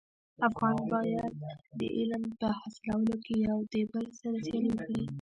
افغانان باید د علم په حاصلولو کي يو دبل سره سیالي وکړي.